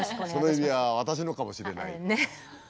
その指輪私のかもしれない。